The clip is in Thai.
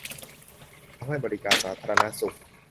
ทำให้บริการสาธารณสุข